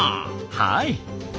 はい。